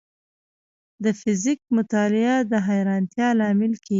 د فزیک مطالعه د حیرانتیا لامل کېږي.